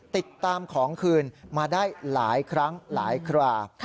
ติดตามของคืนมาได้หลายครั้งหลายครา